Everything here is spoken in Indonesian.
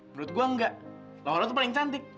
menurut gue nggak lohona itu paling cantik